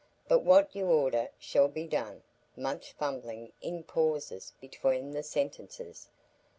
"But what you order shall be done" (much fumbling in pauses between the sentences).